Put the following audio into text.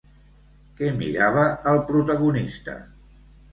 Què mirava el protagonista?